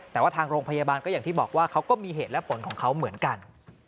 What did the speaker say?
แต่ว่าทางโรงพยาบาลก็อย่างที่บอกว่าเขาก็มีเหตุและผลของเขาเหมือนกัน